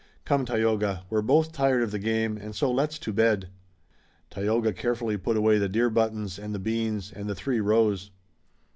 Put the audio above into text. Come, Tayoga, we're both tired of the game and so let's to bed." Tayoga carefully put away the deer buttons and the beans, and the three rose.